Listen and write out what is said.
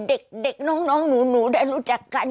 เด็กน้องหนูได้รู้จักกัน